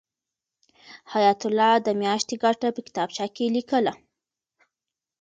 حیات الله د میاشتې ګټه په کتابچه کې لیکله.